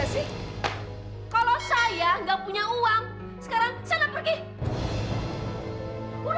susah banget bu